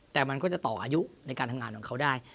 แต่มันก็จะต่ออายุในการทำงานของเขาได้